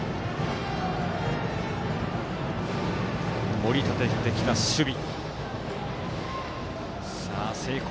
盛り立ててきた守備。